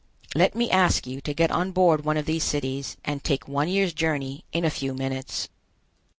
Let me ask you to get on board one of these cities, and take one year's journey in a few minutes.